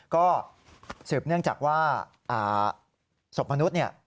ก็สืบเนื่องจากว่าศพมนุษย์เนี่ย